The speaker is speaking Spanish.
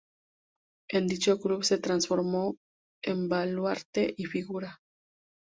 En dicho club se transformó en baluarte y figura.